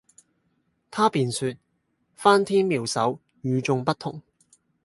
他便說「翻天妙手，與衆不同」。